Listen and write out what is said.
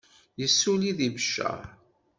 Yessulli deg Beccaṛ.